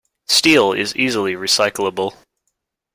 Steel is easily recyclable.